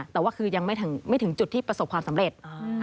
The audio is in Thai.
แต่ว่าคือยังไม่ถึงจุดที่ประสบความสำเร็จ